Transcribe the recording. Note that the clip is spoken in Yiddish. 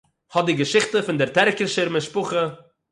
האָט די געשיכטע פון דער טערקישער משפּחה